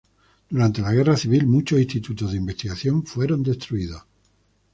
Durante la guerra civil muchos institutos de investigación fueron destruidos.